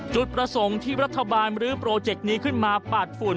จุดประสงค์ที่รัฐบาลมรื้อโปรเจกต์นี้ขึ้นมาปาดฝุ่น